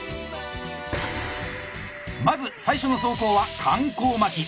まず最初の走行は環行巻き。